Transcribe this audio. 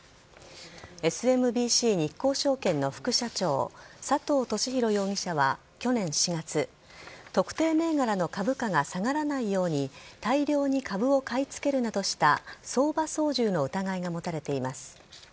ＳＭＢＣ日興証券の副社長、佐藤俊弘容疑者は去年４月、特定銘柄の株価が下がらないように、大量に株を買い付けるなどした、相場操縦の疑いが持たれています。